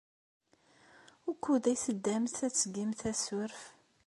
Wukud ay teddamt ad tgemt asurf?